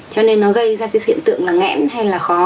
cho nên nó gây ra cái hiện tượng là ngẽn hay là khó